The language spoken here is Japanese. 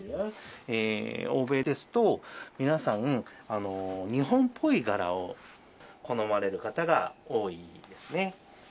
欧米ですと皆さん、日本っぽい柄を好まれる方が多いですね。